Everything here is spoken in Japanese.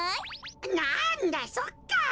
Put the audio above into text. なんだそっか。